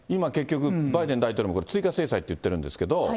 結局、バイデン大統領も追加制裁と言ってるんですけれども。